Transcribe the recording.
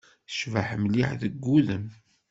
Tecbeḥ mliḥ deg wudem.